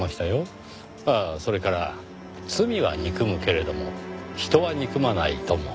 ああそれから罪は憎むけれども人は憎まないとも。